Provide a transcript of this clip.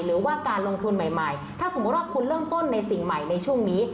หรือว่าการลงทุนใหม่ถ้าสมมุติว่าคุณเริ่มต้นในสิ่งใหม่ในช่วงนี้